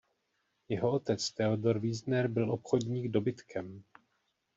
Jeho otec Theodor Wiesner byl obchodník dobytkem.